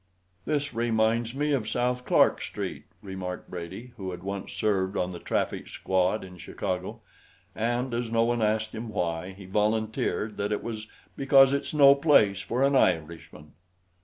"This reminds me of South Clark Street," remarked Brady, who had once served on the traffic squad in Chicago; and as no one asked him why, he volunteered that it was "because it's no place for an Irishman."